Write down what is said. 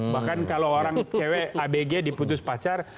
bahkan kalau orang cewek abg diputus pacar